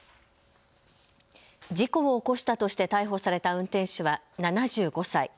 事故を起こしたとして逮捕された運転手は７５歳。